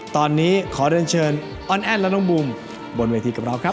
ตอนนี้ขอเดินเชิญอ้อนแอ้นและน้องบูมบนเวทีกับเราครับ